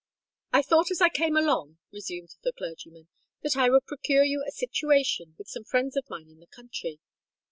"I thought as I came along," resumed the clergyman, "that I would procure you a situation with some friends of mine in the country.